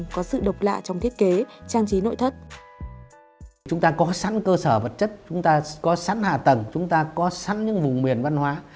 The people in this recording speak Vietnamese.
chúng ta có sẵn cơ sở vật chất chúng ta có sẵn hạ tầng chúng ta có sẵn những vùng miền văn hóa